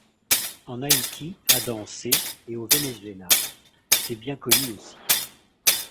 En Haïti a dansé et au Venezuela, c'est bien connu aussi.